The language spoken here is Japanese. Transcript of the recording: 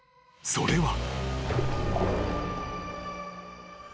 それは］